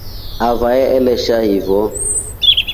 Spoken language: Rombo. Avae alesha hiyo.